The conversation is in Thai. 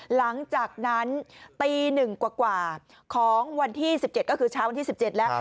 หลังจากนั้นตี๑กว่าของวันที่๑๗ก็คือเช้าวันที่๑๗แล้ว